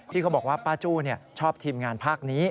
เขาบอกว่าป้าจู้ชอบทีมงานภาคนี้